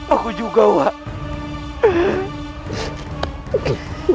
aku juga wak